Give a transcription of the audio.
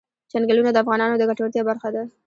چنګلونه د افغانانو د ګټورتیا برخه ده.